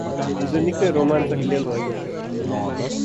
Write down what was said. हिजो निकै रोमाञ्चक खेल भएको थियो।